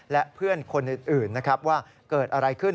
และเพื่อนคนอื่นนะครับว่าเกิดอะไรขึ้น